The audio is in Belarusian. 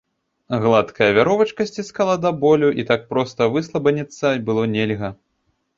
Гладкая вяровачка сціскала да болю, і так проста выслабаніцца было нельга.